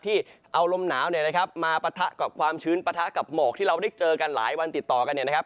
ที่เอาลมหนาวเนี่ยนะครับมาปะทะกับความชื้นปะทะกับหมอกที่เราได้เจอกันหลายวันติดต่อกันเนี่ยนะครับ